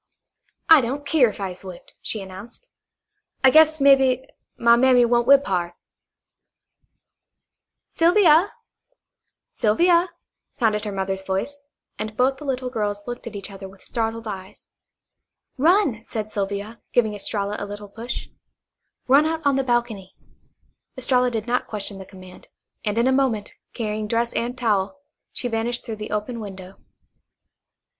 "I don't keer if I is whipped," she announced. "I guess, mebbe, my mammy won't whip hard." "Sylvia, Sylvia," sounded her mother's voice, and both the little girls looked at each other with startled eyes. "Run," said Sylvia, giving Estralla a little push. "Run out on the balcony." Estralla did not question the command, and in a moment, carrying dress and towel, she had vanished through the open window.